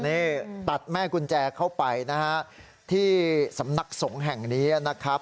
นี่ตัดแม่กุญแจเข้าไปนะฮะที่สำนักสงฆ์แห่งนี้นะครับ